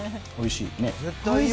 おいしい。